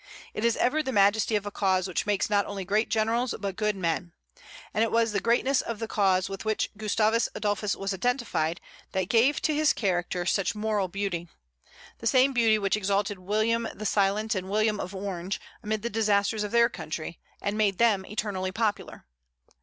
It is ever the majesty of a cause which makes not only great generals but good men. And it was the greatness of the cause with which Gustavus Adolphus was identified that gave to his character such moral beauty, that same beauty which exalted William the Silent and William of Orange amid the disasters of their country, and made them eternally popular.